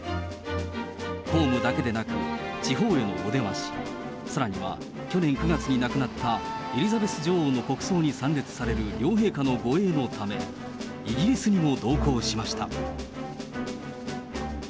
公務だけでなく、地方へのお出まし、さらには去年９月に亡くなったエリザベス女王の国葬に参列される両陛下の護衛のため、イギリスにも同行しました。